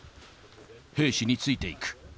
兵士についていく。